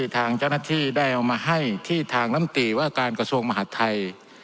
ทางเจ้าหน้าที่ได้เอามาให้ที่ทางลำตีว่าการกระทรวงมหาดไทย